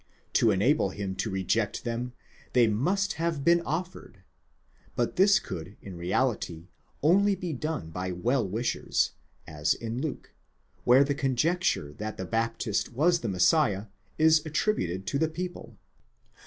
To enable him to reject them, they must have been offered ; but this could in reality only be done by well wishers, as in Luke, where the conjecture that the Baptist was the Messiah is attributed to the people.